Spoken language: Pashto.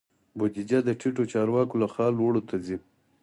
بودیجه د ټیټو چارواکو لخوا لوړو ته ځي.